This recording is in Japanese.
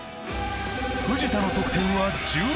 藤田の得点は１６点。